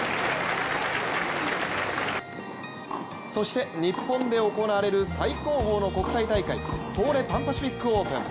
そして日本で行われる最高峰の国際大会東レ・パンパシフィックオープン。